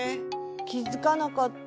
きづかなかった。